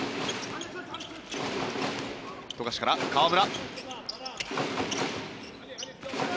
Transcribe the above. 富樫から河村。